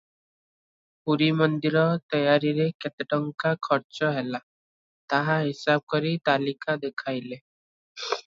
ପୁରୀ ମନ୍ଦିର ତୟାରିରେ କେତେ ଟଙ୍କା ଖରଚ ହେଲା, ତାହା ହିସାବ କରି ତାଲିକା ଦେଖାଇଲେ ।